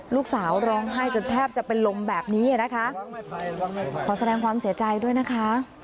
ร้องไห้จนแทบจะเป็นลมแบบนี้นะคะขอแสดงความเสียใจด้วยนะคะ